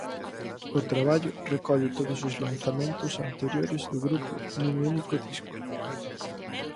O traballo recolle todos os lanzamentos anteriores do grupo nun único disco.